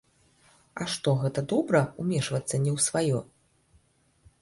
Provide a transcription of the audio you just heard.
А што гэта добра ўмешвацца не ў сваё?